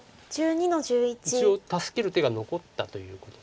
一応助ける手が残ったということですか。